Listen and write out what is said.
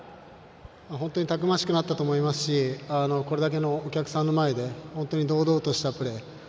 本当にたくましくなったと思いますしこれだけのお客さんの前で堂々としたプレー。